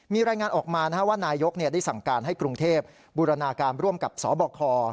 มีรายงานออกมาว่านายกได้สั่งการให้กรุงเทพบูรณาการร่วมกับสบค